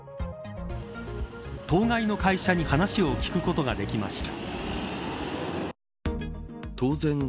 当該の会社に話を聞くことができました。